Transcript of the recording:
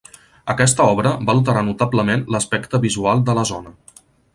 Aquesta obra va alterar notablement l'aspecte visual de la zona.